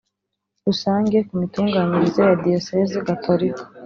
Rusange ku mitunganyirize ya Diyosezi Gatolika